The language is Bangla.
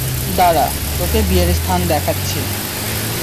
দাঁড়া, তোকে বিয়ের স্থান দেখাচ্ছি।